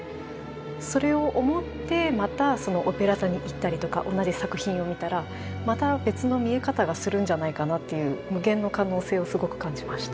それを思ってまたオペラ座に行ったりとか同じ作品を見たらまた別の見え方がするんじゃないかなっていう無限の可能性をすごく感じました。